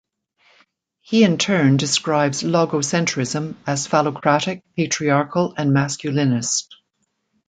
He in turn describes logocentrism as phallocratic, patriarchal and masculinist.